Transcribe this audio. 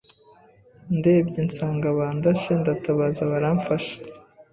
ndebye nsanga bandashe ndatabaza baramfasha